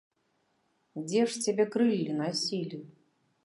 Дзе ж цябе крыллі насілі?